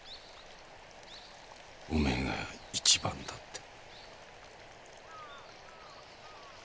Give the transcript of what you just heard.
お前が一番だって。